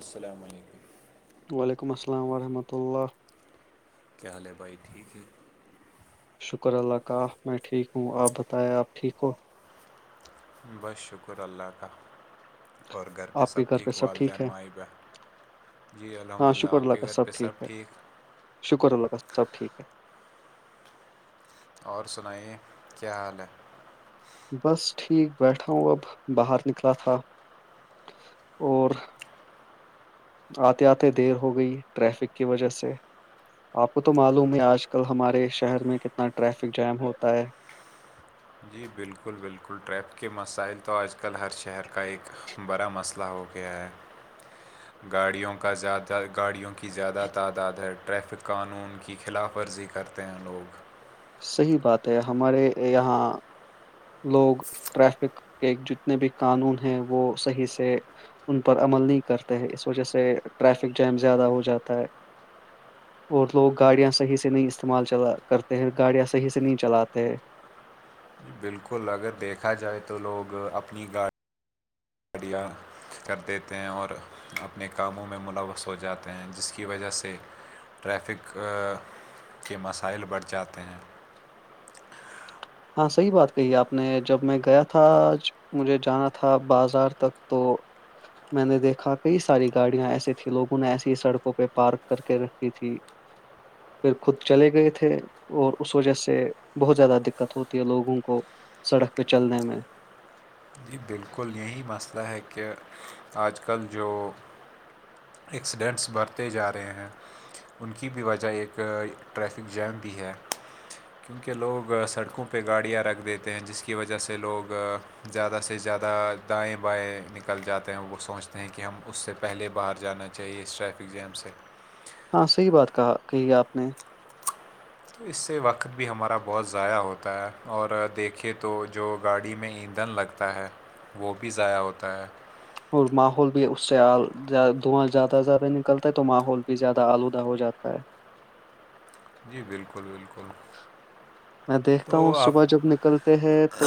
السلام علیکم وعلیکم السلام ورحمۃ اللہ کیا حال ہے بھائی ٹھیک ہے شکر اللہ کاا میں ٹھیک ہوں آپ بتائیں آپ ٹھیک ہو بس شکر اللہ کا اور گھر پے آپ کے سب گھر پہ ٹھیک والدین ہے مائبہ جی الحمد ہاں للہ آپ کے گھر پہ سب ٹھیک شکر اللہ کا سب ٹھیک ہے اور سنائیے کیا حال ہے بس ٹھیک بیٹھا ہوں اب باہر نکلا تھا اور آتے آتے دیر ہو گئی ٹریفک کی وجہ سے آپ کو تو معلوم ہے آج کل ہمارے شہر میں کتنا ٹریفک جام ہوتا ہے جی بالکل بالکل ٹریف کے مسائل تو آج کل ہر شہر کا ایک ہے بڑا مسئلہ ہو گیا ہے گاڑیوں کا زیادہ گاڑیوں کی زیادہ تعداد ہے ٹریفک قانون کی خلاف ورزی کر تین لوگ صحیح بات ہے ہمارے یہاں لوگ ٹریفک کے جتنے بھی قانون ہیں وہ صحیح سے ان پر عمل نہیں کرتے ہیں اس وجہ سے ٹریفک جیم زیادہ ہو جاتا ہے اور لوگ گاڑیاں صحیح سے نہیں استعمال چلا کرتے ہیں گاڑیاں صحیح سے نہیں چلاتے ہیں بالکل اگر دیکھا جائے تو لوگ اپنی گاڑی گاڑیاں کر دیتے ہیں اور اپنے کاموں میں ملوث ہو جاتے ہیں جس کی وجہ سے ٹریفک کے مسائل بڑھ جاتے ہیں ہاں صحیح بات کہی آپ نے جب میں گیا تھا آج مجھے جانا تھا بازار تک تو میں نے دیکھا کئی ساری گاڑیاں ایسی تھی لوگوں نے ایسی ہی سڑکوں پہ پارک کر کے رکھی تھی [unintelligible] پھر خود چلے گئے تھے اور اس وجہ سے بہت زیادہ دق دقت ہوتی ہے لوگوں کو سڑک پہ چلنے میں جی بالکل یہی مسئلہ ہے کہ آج کل جو ایکسیڈنٹس بڑھتے جا رہے ہیں ان کی بھی وجہ ایک ٹریفک جیم بھی ہے کیونکہ لوگ سڑکوں پہ گاڑیاں رکھ دیتے ہیں جس کی وجہ سے لوگ زیادہ سے زیادہ دائیں بائیں نکل جاتے ہیں وہ سوچتے ہیں کہ ہم اس سے پہلے باہر جانا چاہیے اسس ٹریفک جیم سے ہاں صحیح بات کہا کہی ہے آپ نے تو اس سے وقت بھی ہمارا بہت ضائع ہوتا ہے اور دیکھے تو جو گاڑی میں ایندھن لگ ت ہے وہ بھی ضائع ہوتا ہے اور ماحول بھی اس سے دھواں زیادہ زیادہ نکلتا ہے تو ماحول بھی زیادہ آلودہ ہو جاتا ہے جی بالکل بالکل میں دیکھتا تو ہوں آپ صبح جب نکل تو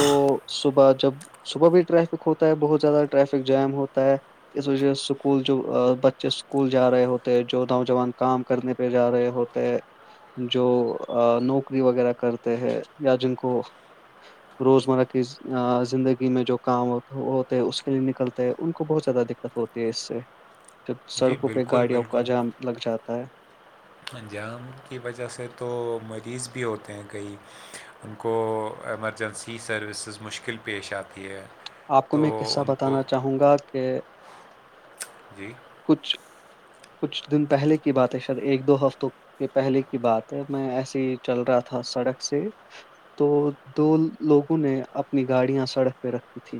صبح جب صبح بھی ٹریفک ہوتا ہے بہت زیادہ ٹریفک جم ہوتا ہے اس وجہ سے اسکول جو بچے اسکول جا رہے ہوتے جو نوجوان کام کرنے پہ جا رہے ہوتے جو نوکری وغیرہ کرتے ہیں یا جن کو روزمرہ کی زندگی میں جو کام ہوتے ہے اس کے لیے نکلتے ہیں ان کو بہت زیادہ د دقت ہوتی ہے اس سے جب جی سڑکوں پہ بالکل گاڑیوں کا بالکل جام لگ جاتا ہے جام کی وجہ سے تو مریض بھی ہوتے ہیں کئی ان کو ایمرجنسی سروسز مشکل پیش آتی ہے آپ کو تو میں قصہ ان کو بتانا چاہوں گا کہ جی کچھ کچھ دن پہلے کی بات ہے سر ایک دو ہفتوں یہ پہلے کی بات ہے میں ایسے ہی چل رہا تھا سڑک سے تو دو لوگوں نے اپنی گاڑیاں سڑک پہ رکھی تھی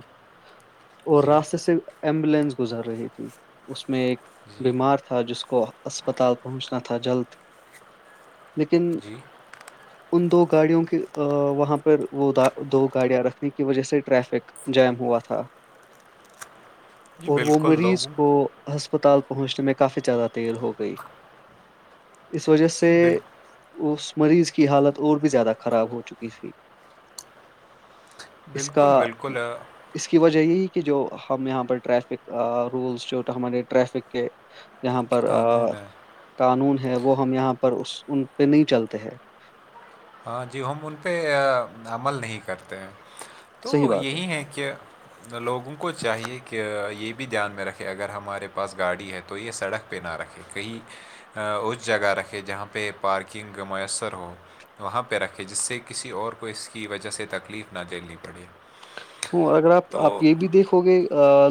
اور جی راستے سے ایمبولینس گزر رہی تھی اس میں ایک جی بیمار تھا جس کو اسپتال پہنچنا تھا جلد لیکن جی ان دو گاڑیوں کی وہاں پر وہ دو گاڑیاں رکھنے کی وجہ سے ٹریفک جم ہوا تھا [unintelligible] جی اور وہ بالکل مریض لوگوں کو ہسپتال پہنچنے میں کافی زیادہ دیر ہو گئی اس وجہ سے جی بال اس مریض کی حالت اور بھی زیادہ خراب ہو چکی تھی اس کا بالکل بالکل آ، اس کی وجہ یہی کہ جو ہم یہاں پر ٹریفک رولس جو ہمارے ٹریفک کے یہاں پر قانون ہے قانون ہے وہ ہم یہاں پر ان پہ نہیں چلتے ہیں ہاں جی ہم ان پہ عمل نہیں کرتے ہیں صحیح تو بات یہی ہے کہ لوگوں کو چاہیے کہ یہ بھی دھیان میں رکھے اگر ہمارے پاس گاڑی ہے تو تو یہ سڑک پہ نہ رکھے کہیں اس جگہ رکھے جہاں پہ پارکنگ میسر ہو وہاں پہ رکھے جس سے کسی اور کو اس کی وجہ سے تکلیف نہ دیننی پڑے ہوں اور اگر آپ تو آپ یہ بھی دیکھو گے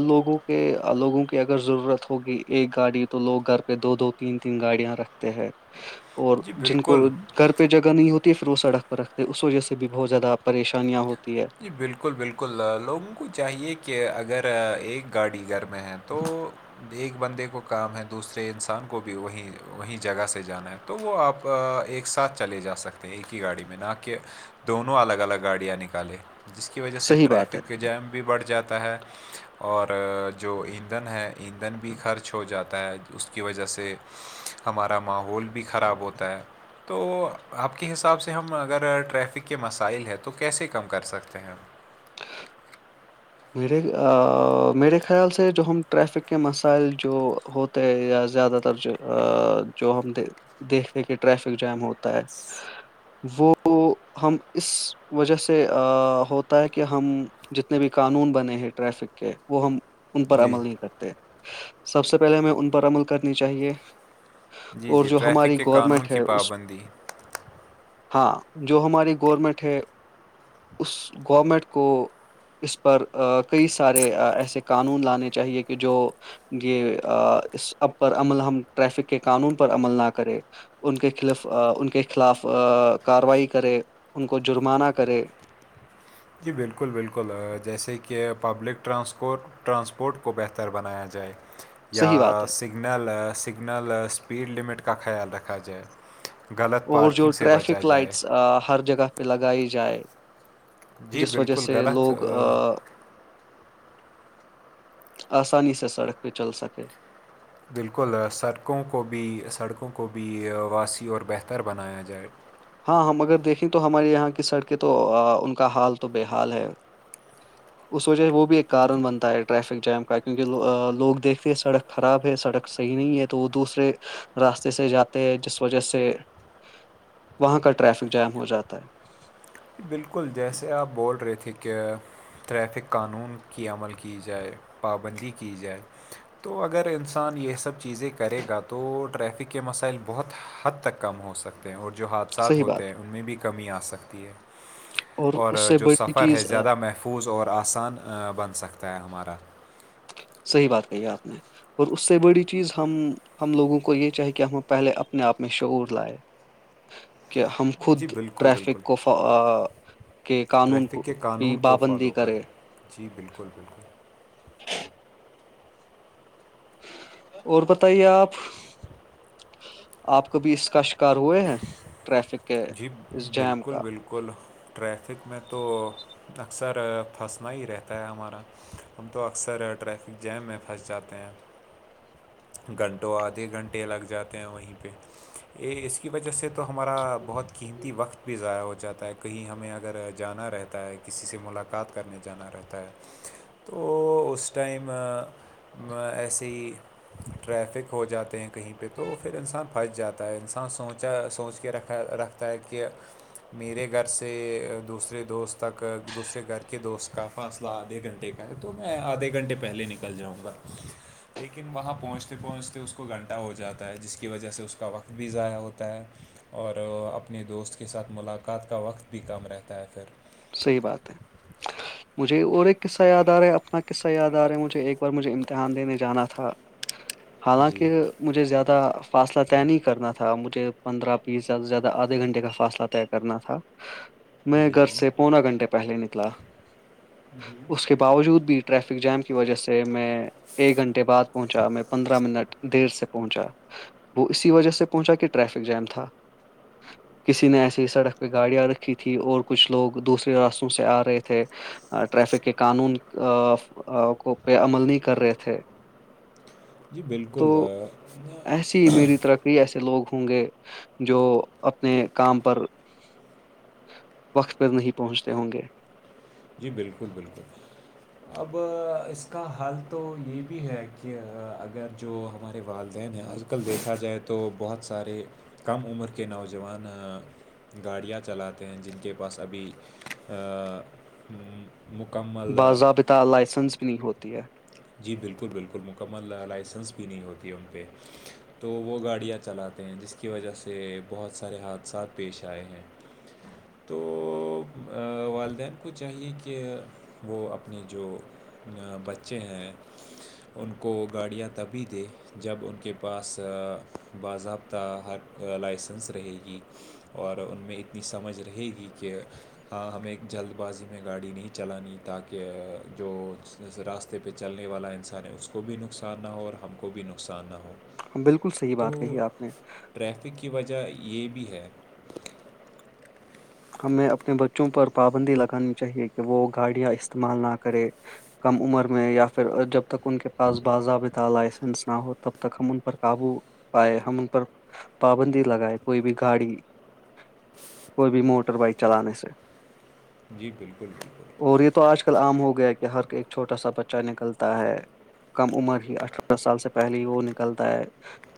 لوگوں کے لوگوں کی اگر ضرورت ہوگی ایک گاڑی تو لوگ گھر پہ دو دو تین تین گاڑیاں رکھتے ہیں اور جی جن کو بالکل گھر پہ جگہ نہیں ہوتی ہے پھر وہ سڑک پہ رکھتے اس وجہ سے بھی بہت زیادہ پریشانیاں ہوتی ہے جی بالکل بالکل لوگوں کو چاہیے کہ اگر ایک گاڑی گھر میں تو ایک بندے کو کام ہے دوسرے انسان کو بھی وہیں وہیں جگہ سے جانا ہے تو وہ آپ ایک ساتھ چلے جا سکتے ہیں ایک ہی گاڑی میں نہ کہ دونوں الگ الگ گاڑیاں نکالے جس کی وجہ سے صحیح بات ہے ٹریفک کا جیم بھی بڑھ جاتا ہے اور جو ایندھن ہے ایندھن بھی خرچ ہو جاتا ہے اس کی وجہ سے ہمارا ماحول بھی خراب ہوتا ہے تو آپ کے حساب سے ہم اگر ٹریفک کے مسائل ہیں تو کیسے کم کر سکتے ج میرے میرے خیال سے جو ہم ٹریفک کے مسائل جو ہو یا زیادہ تر جو ہم دیکھتے کہ ٹریفک جام ہو تا ہے وہ تو ہم اس وجہ سے ہوتا ہے کہ ہم جتنے بھی قانون بنے ہیں ٹریفک کے وہ ہم ان پر جی عمل نہیں کرتے سب سے پہلے ہمیں ان پر عمل کرنی چاہیے جی اور جی جو ٹریفک ہماری کے قانون گورنمنٹ ہے کی اس پابندی ہاں جو ہماری گورمنٹ ہے اس گورمنٹ کو اس پر کئی سارے ایسے قانون لانے چاہیے کہ جو یہ اس اب پر عمل ہم ٹریفک کے قانون پر عمل نہ کرے ان کے خلف ان کے خلاف کارروائی کرے ان کو جرمانہ کرے جی بالکل بالکل جیسے کہ پبلک ٹرانسپورٹ ٹرانسپورٹ کو بہتر بنایا جائے یا صحیح بات ہے سگنل سگنل اسپیڈ لمٹ کا خیال رکھا جائے غلط اور جو پارکنگ سے بچا ٹریفک جائے لائٹس ہر جگہ پہ لگائی جائے جی جس وجہ بالکل سے غلط لوگ آ آسانی سے سڑک پہ چل سکے بالکل سڑکوں کو بھی سڑکوں کو بھی واسیع اور بہتر بنایا جائے ہاں ہم اگر دیکھیں تو ہمارے یہاں کی سڑکیں تو ان کا حال تو بےحال ہے اس وجہ سے وہ بھی ایک جی کارن بنتا ہے ٹریفک جم کا کیونکہ لوگ دیکھتے ہیں سڑک خراب ہے سڑک صحیح نہیں ہے تو وہ دوسرے راستے سے جاتے ہیں جس وجہ سے وہاں کا ٹریفک جام ہو جاتا ہے بالکل جیسے آپ بول رہے تھے کہ ٹریفک قانون کی عمل کی جائے پابندی کی جائے تو اگر انسان یہ سب چیزیں کرے گا تو ٹریفک کے مسائل بہت حد تک کم ہو سکتے ہیں اور جو حادثات صحیح ہوتے بات ہیں ان میں بھی کمی آ سکتی ہے اس اور سے جو بڑی سفر ہے چیز آ، زیادہ محفوظ اور آسان بن سکتا ہے ہمارا صحیح بات کہی ہے آپ نے اور اس سے بڑی چیز ہم ہم لوگوں کو یہ چاہی کہ ہم پہلے اپنے آپ میں شعور لائے [inaudible] کہ ہم خود جی بالکل بالکل ٹریفک کو کہ قانون کو ٹریفک کے کی قانون کو پابندی فالو کریں کرے جی بالکل بالکل اور بتائیے آپ آپ ک بھیھی اس کا شکار ہوئے ہیں ٹریفک کے جی اس جیم بالکل کا بالکل ٹریفک میں تو اکثر پھنسنا ہی رہتا ہے ہمارا ہم تو اکثر ٹریفک جیم میں پھنس جاتے ہیں گھنٹوں آدھے گھنٹے لگ جاتے ہیں وہیں پہ ا اس کی وجہ سے تو ہمارا بہت قیمتی وقت بھی ضائع ہو جاتا ہے کہیں ہمیں اگر جانا رہتا ہے کسی سے ملاقات کرنے جانا رہتا ہے تو اس ٹائم ایسے ہی ٹریفک ہو جاتے ہیں کہیں پہ تو پھر انسان پھنس جاتا ہے انسان سوچا سوچ کے رکھا رکھ ت کہ میرے گھر سے دوسرے دوست تک دوسرے گھر کے دوست کا فاصلہ آدھے گھنٹے کا ہے تو میں آدھے گھنٹے پہلے نکل جاؤں گا لیکن وہاں پر پہنچتے پہنچتے اس کو گھنٹہ ہو جاتا ہے جس کی وجہ سے اس کا وقت بھی ضائع ہوتا ہے اور اپنے دوست کے ساتھ ملاقات کا وقت بھی کم رہتا ہے پھر صحیح بات ہے [inaudible] مجھے اور ایک قصہ یاد آارا ہے اپنا قصہ د آار ہےجھے ایک بار مجھے امتحان دینے جانا تھا ہاں حالانکہ مجھے زیادہ فاصلہ طے نہیں کرنا تھا مجھے پندرہ بیسیا سے زیادہ آدھے گھنٹے کا فاصلہ طے کرنا تھا [inaudible] میں گھر سے پونا گھنٹے پہلے نکلا اس کے باوجود بھی ٹریفک جام کی وجہ سے میں ایک گھنٹے بعد پہنچا میں پندرہ منٹ دیر سے پہنچا وہ اسی وجہ سے پہنچا کہ ٹریفک جیم تھا کسی نے ایسی ہی سڑک پہ گاڑیاں رکھی تھی اور کچھ لوگ دوسرے راستوں سے آ رہے تھے ٹریفک کے قانون کو پہ عمل نہیں کر رہے تھے جی تو بالکلا ایسی میری طرحئی ایسے لوگ ہوں گے جو اپنے کام پر پھر نہیں پہنچتے ہوں گے جی بالکل بالکل اب اس کا حال تو یہ بھی ہے کہ اگر جو ہمارے والدین ہیں آج کل دیکھا جائے تو بہت سارے کم عمر کے نوجوان گاڑیاں چلاتے ہیں جن کے پاس ابھی مکمل باضابط لائسنس بھی نہیں ہوتی ہے جی بالکل بالکل مکمل لائسنس بھی نہیں ہوتی ہے ان پہ تو وہ گاڑیاں چلاتے ہیں جس کی وجہ سے بہت سارے حادثات پیش آئے ہیں تو والدین کو چاہیے کہ وہ اپنے جو بچے ہیں ان کو گاڑیاں تبھی دے جب ان کے پاس باضابطہ ہر لائسنس رہے گی اور ان میں اتنی سمجھ رہے گی کہ ہاں ہمیں جلد بازی میں گاڑی نہیں چلانی تاکہ جو راستتے راستے پہ چلنے والا انسان ہے اس کو بھی نقصان نہ ہو اور ہم کو بھی نقصان نہ ہو بالکل صحیح تو بات کہی ہے آپ نے ٹریفک کی وجہ یہ بھی ہے ہمیں اپنے بچوں پر پابندی لگانی چاہیے کہ وہ گاڑیاں استعمال نہ کرے کم عمر میں یا پھر جب تک ان کے پاس باضابتا لائسنس نہ ہو تب تک ہم ان پر قابو آائے ہم ان پر پابندی لگائے کوئی بھی گاڑی کوئی بھی موٹ موٹر بائک چلانے سے جی بالکل بالکل اور یہ تو آج کل عام ہو گیا کہ ہر ایک چھوٹا سا بچہ نکلتا ہے کم عمر ہی اٹھ دس سال سے پہلے ہی وہ نکلتا ہے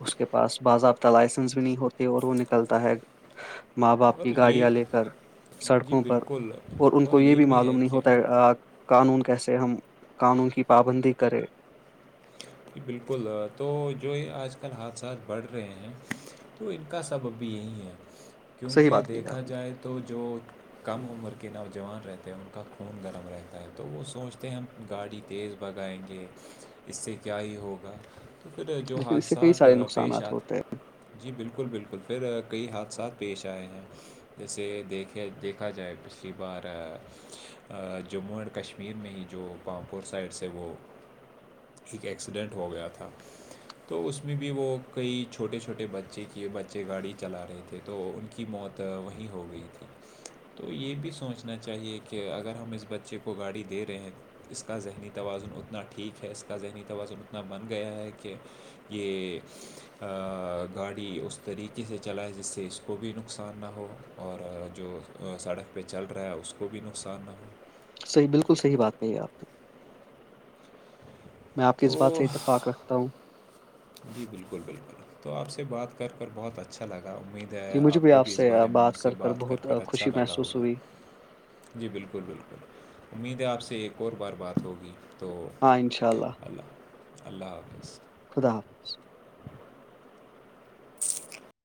اس کے پاس باضابطہ لائسنس بھی نہیں ہوتے اور وہ نکلتا ہے ماں باپ اور کی گاڑی یہ والے جی سڑکوں پر بالکل اور ان کو یہ بھی معلوم نہیں ہوتا ہے قانون کیسے ہم قانون کی پابندی کرے جی بالکل تو جو یہ آج کل حادثات بڑھ رہے ہیں تو ان کا سب اب بھی یہی ہے صحیح کیونکہ بات کہی دیکھا آپ نے جائے تو جو کم عمر کے نوجوان رہتے ہیں ان کا خون گرم رہتا ہے تو وہ سوچتے ہیں ہم گاڑی تیز بگائیں گے اس سے کیا ہی ہوگا تو پ جو لیکن اس سے کئی حادثات سارے پیش آ نقصانات ہوتے ہیں جی بالکل بالکل پھر کئی حادثات پیش آئے ہیں جیسے دیکھے دیکھا جائے پچھلی بار جموں اینڈ کشمیر میں ہی جو پامپور سائڈ سے وہ ایک ایکسیڈنٹ ہو گیا تھا تو اس میں بھی وہ کئی چھوٹے چھوٹے بچے کیے بچے گاڑی چلا رہے تھے تو ان کی موت وہیں ہو گئی تھی تو یہ بھی سوچنا چاہیے کہ اگر ہم اس بچے کو گاڑی دے رہے ہیں اس کا ذہنی توازن اتنا ٹھیک ہے اس کا ذہنی توازن اتنا بن گیا ہے کہ یہ گاڑی اس طریقے سے چلائے جس سے اس کو بھی نقصان نہ ہو اور جو سڑک پہ چل رہا ہے اس کو بھی نقصان نہ ہو صحیح بالکل صحیح بات کہی ہے آپ نے میں آپ کی اس بات تو سے اتفاق تاب جی بالکل بالکل تو آپ سے بات کر کر بہت اچھا لگا امید جی مجھے آپ کو بھی اس سے بارے میں مجھ سے بات کر بہت کر اچھا خوشی لگا محسوس ہوگا ہوئی جی بالکل بالکل امید ہے آپ سے ایک اور بار بات ہوگی تو ہاں انشاء اللہ اللہ اللہ حافظ خدا حافظ